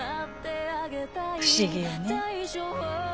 不思議よね。